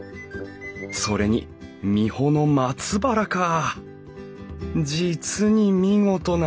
それに三保の松原かあ。